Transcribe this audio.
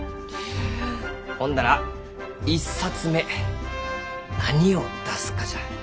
ほんなら１冊目何を出すかじゃ。